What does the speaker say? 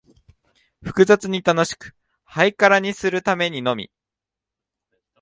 複雑に楽しく、ハイカラにするためにのみ、